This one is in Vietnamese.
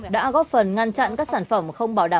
đã góp phần ngăn chặn các sản phẩm không bảo đảm